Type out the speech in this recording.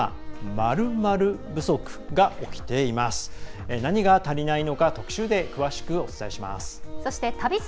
何が足りないのか、特集で詳しくお伝えします。